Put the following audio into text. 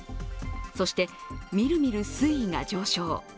そして、みるみる水位が上昇。